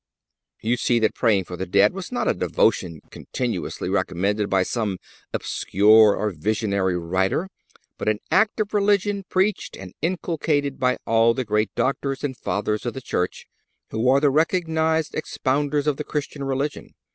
You see that praying for the dead was not a devotion cautiously recommended by some obscure or visionary writer, but an act of religion preached and inculcated by all the great Doctors and Fathers of the Church, who are the recognized expounders of the Christian religion.